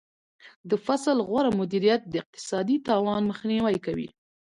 د فصل غوره مدیریت د اقتصادي تاوان مخنیوی کوي.